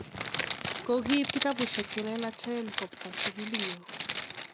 Ko kiip kitapusyek che lelachen kopwa sukuli nyo